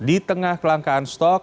di tengah kelangkaan stok